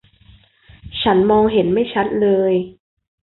ฉันมองเห็นไม่ชัดเลย